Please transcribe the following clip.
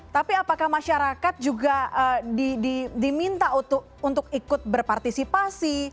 tapi apakah masyarakat juga diminta untuk ikut berpartisipasi